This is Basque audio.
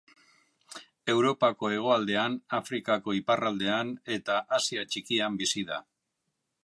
Europako hegoaldean, Afrikako iparraldean eta Asia Txikian bizi da.